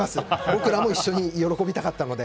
僕らも一緒に喜びたかったので。